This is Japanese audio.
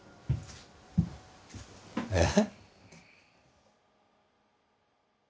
えっ？